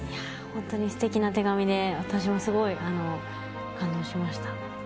ホントにステキな手紙で私もすごい感動しました。